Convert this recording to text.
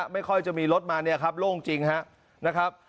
ไม่ค่อยจะมีรถมาเนี่ยครับโล่งจริงนะครับ